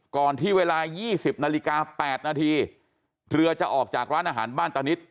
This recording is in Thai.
ก่อนที่เวลา๒๐นาฬิกา๘นาทีเรือจะออกจากร้านอาหารบ้านตานิด